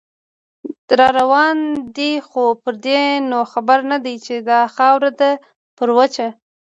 راروان دی خو پردې نو خبر نه دی، چې دا خاوره ده پر وچه